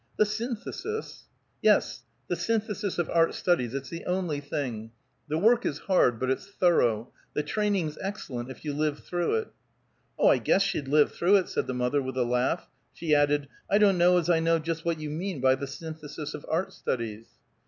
"The Synthesis?" "Yes; the Synthesis of Art Studies; it's the only thing. The work is hard, but it's thorough; the training's excellent, if you live through it." "Oh, I guess she'd live through it," said the mother with a laugh. She added, "I don't know as I know just what you mean by the Synthesis of Art Studies."